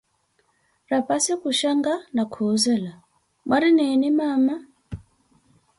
Raphassi khushanka na khuzela: Mwari nini mama?